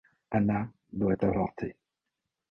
Anna doit avorter.